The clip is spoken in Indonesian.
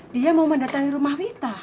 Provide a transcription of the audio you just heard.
dia mau mendatangi rumah mita